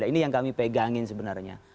ini yang kami pegangin sebenarnya